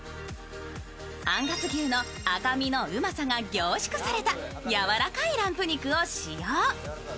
アンガス牛の赤身のうまさが凝縮された柔らかいランプ肉を使用。